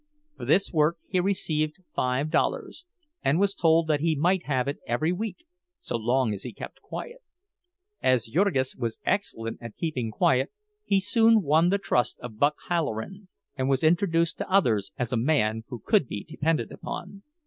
For this work he received five dollars, and was told that he might have it every week, so long as he kept quiet. As Jurgis was excellent at keeping quiet, he soon won the trust of "Buck" Halloran, and was introduced to others as a man who could be depended upon.